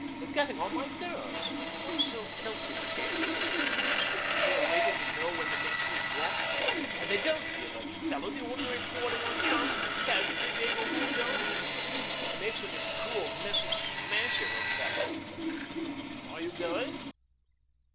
They're getting on my nerves. One's so helpless against them, sticking here waiting to know where the next will drop. And they don't even give a fellow the ordinary four to one chance of a casualty being a wound only. They make such a cruel messy smash of a fellow. ... Are you going?'